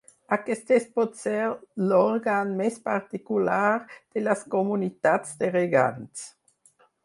Aquest és, potser, l'òrgan més particular de les Comunitats de Regants.